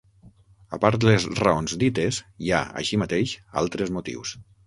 A part les raons dites hi ha, així mateix, altres motius.